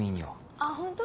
あぁホント？